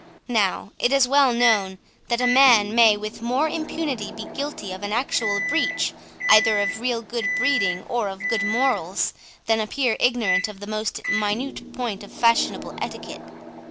Now, it is well known, that a man may with more impunity be guilty of an actual breach either of real good breeding or of good morals, than appear ignorant of the most minute point of fashionable etiquette.